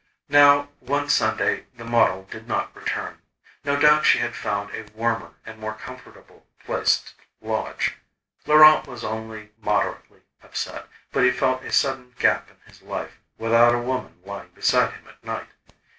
Now, one Sunday the model did not return; no doubt she had found a warmer and more comfortable place to lodge. Laurent was only moderately upset, but he felt a sudden gap in his life without a woman lying beside him at night.